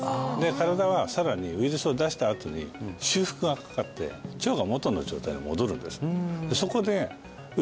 身体はさらにウイルスを出したあとに修復がかかって腸が元の状態に戻るんです